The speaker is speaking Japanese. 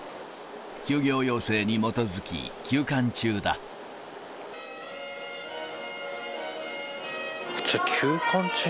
休業要請に基づき休館中だ。